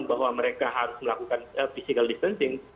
bahwa mereka harus melakukan physical distancing